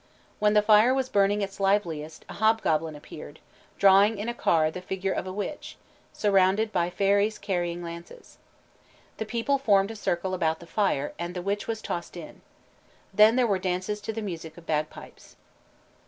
When the fire was burning its liveliest, a hobgoblin appeared, drawing in a car the figure of a witch, surrounded by fairies carrying lances. The people formed a circle about the fire, and the witch was tossed in. Then there were dances to the music of bag pipes.